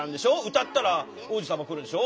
歌ったら王子様来るでしょ？